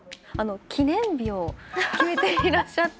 記念日を決めていらっしゃって。